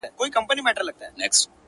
ستا د سوځلي زړه ايرو ته چي سجده وکړه ـ